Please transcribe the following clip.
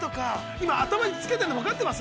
今頭につけているの分かってます？